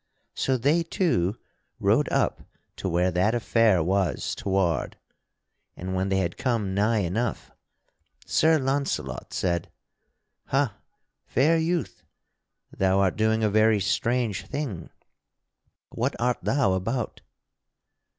So they two rode up to where that affair was toward, and when they had come nigh enough, Sir Launcelot said: "Ha, fair youth, thou art doing a very strange thing. What art thou about?"